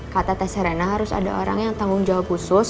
kata teserena harus ada orang yang tanggung jawab khusus